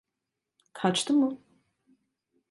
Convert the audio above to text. Kaçtı mı?